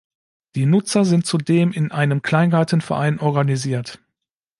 Die Nutzer sind zudem in einem Kleingartenverein organisiert.